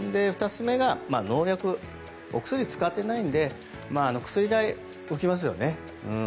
２つ目が農薬お薬を使っていないので薬代、浮きますよね。